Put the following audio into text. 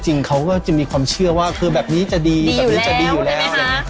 ก็จริงเขาก็จะมีความเชื่อว่าคือแบบนี้จะดีแบบนี้จะดีอยู่แล้ว